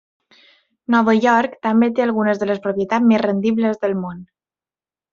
Nova York també té algunes de les propietats més rendibles del món.